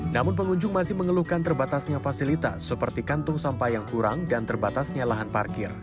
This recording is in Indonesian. namun pengunjung masih mengeluhkan terbatasnya fasilitas seperti kantung sampah yang kurang dan terbatasnya lahan parkir